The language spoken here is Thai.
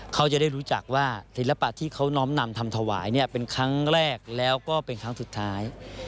เขาจะได้รู้จักว่าศิลปะที่เขาน้อมนำทำถวายเนี่ยเป็นครั้งแรกแล้วก็เป็นครั้งสุดท้าย